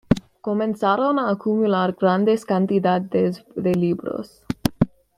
Comenzaron a acumular grandes cantidades de libros.